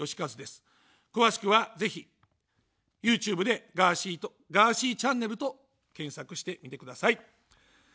詳しくは、ぜひＹｏｕＴｕｂｅでガーシーと、ガーシーｃｈと検索してみてください。